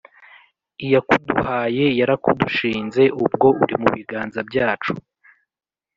Iyakuduhaye yarakudushinze ubwo uri mu biganza byacu